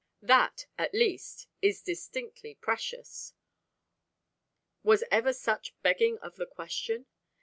That "at least" is distinctly precious. Was ever such begging of the question?